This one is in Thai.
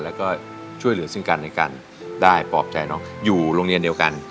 แล้วก็ช่วยเหลือซึ่งกันในการได้ปลอบใจน้องอยู่โรงเรียนเดียวกัน